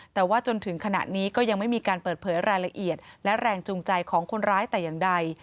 แต่ว่าจนถึงขณะนี้ก็ยังไม่มีการเปิดเผยรายละเอียดและแรงจูงใจของคนร้ายแต่อย่างใด